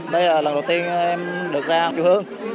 đây là lần đầu tiên em được ra quê hương